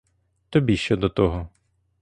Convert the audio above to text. Тобі що до того?